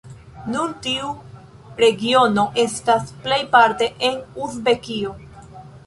Nun tiu regiono estas plejparte en Uzbekio.